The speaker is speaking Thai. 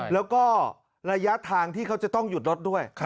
แล้วก็ระยะทางที่เขาจะต้องหยุดรถด้วย